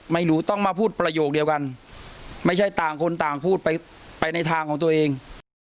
ไม่รู้ต้องมาพูดประโยคเดียวกันไม่ใช่ต่างคนต่างพูดไปไปในทางของตัวเอง